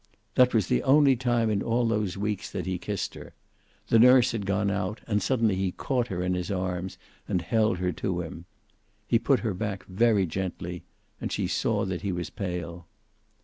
That was the only time in all those weeks that he kissed her. The nurse had gone out, and suddenly he caught her in his arms and held her to him. He put her back very gently, and she saw that he was pale.